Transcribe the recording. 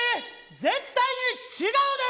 絶対に違うで！